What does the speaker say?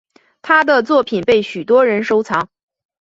她的作品被许多人收藏。